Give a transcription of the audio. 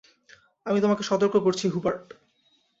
আমি তোমাকে সতর্ক করছি, হুবার্ট।